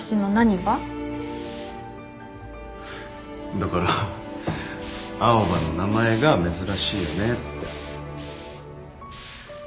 だから青羽の名前が珍しいよねって。